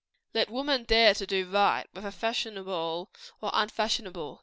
Let woman dare to do right whether fashionable or unfashionable.